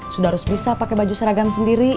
sudah harus bisa pakai baju seragam sendiri